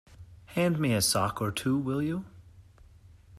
Hand me a sock or two, will you?